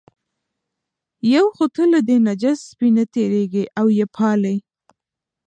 یو خو ته له دې نجس سپي نه تېرېږې او یې پالې.